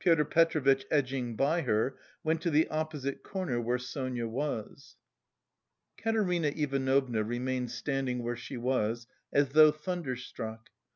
Pyotr Petrovitch, edging by her, went to the opposite corner where Sonia was. Katerina Ivanovna remained standing where she was, as though thunderstruck.